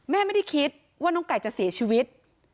แม่ไม่ได้คิดว่าน้องไก่จะเสียชีวิต